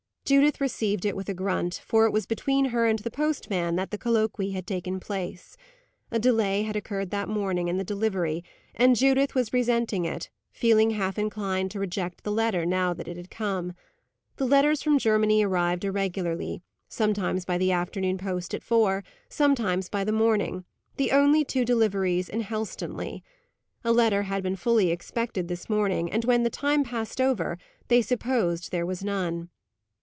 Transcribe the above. Judith received it with a grunt, for it was between her and the postman that the colloquy had taken place. A delay had occurred that morning in the delivery, and Judith was resenting it, feeling half inclined to reject the letter, now that it had come. The letters from Germany arrived irregularly; sometimes by the afternoon post at four, sometimes by the morning; the only two deliveries in Helstonleigh. A letter had been fully expected this morning, and when the time passed over, they supposed there was none.